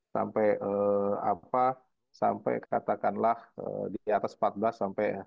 sampai apa sampai katakanlah di atas empat belas lima belas